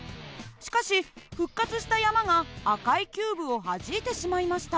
しかし復活した山が赤いキューブをはじいてしまいました。